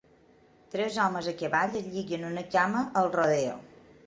Tres homes a cavall es lliguen una cama al rodeo.